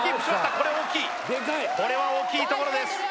これは大きいこれは大きいところです